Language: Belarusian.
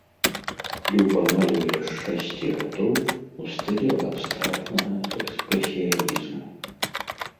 Люба малюе з шасці гадоў у стылі абстрактнага экспрэсіянізму.